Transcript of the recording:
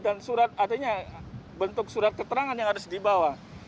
dan surat artinya bentuk surat keterangan yang harus di bawah